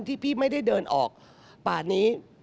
ที่พี่ไม่ได้เดินออกป่านนี้